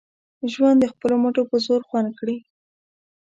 ژوند د خپلو مټو په زور خوند کړي